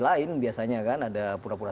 lain biasanya kan ada pura pura